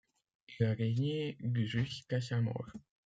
Il a régné du jusqu'à sa mort.